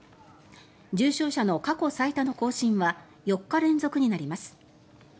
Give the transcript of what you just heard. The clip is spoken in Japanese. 重症者の過去最多の更新は４日連続になります。